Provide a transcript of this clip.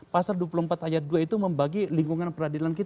pasal dua puluh empat ayat dua itu membagi lingkungan peradilan kita